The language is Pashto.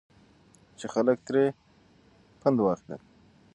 چې خلک ترې پند واخلي.